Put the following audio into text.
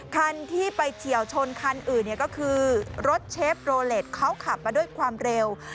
คันที่ไปเฉียวชนคันอื่นก็คือรถเชฟโรเล็ตเขาขับมาด้วยความเร็ว